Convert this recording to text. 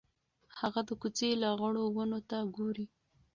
هغه د کوڅې لغړو ونو ته ګوري.